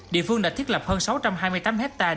địa phương đã thiết lập hơn sáu trăm hai mươi tám ha